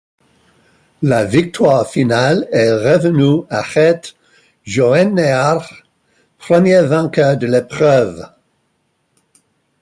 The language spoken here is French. La victoire finale est revenue à Gert Jõeäär, premier vainqueur de l’épreuve.